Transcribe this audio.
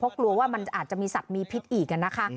เพราะกลัวว่ามันอาจจะมีสัตว์มีพิษอีกนะคะ